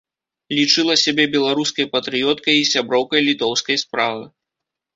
Лічыла сябе беларускай патрыёткай і сяброўкай літоўскай справы.